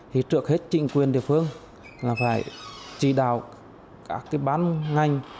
thì trước hết trịnh quyền địa phương là phải chỉ đào các bán ngành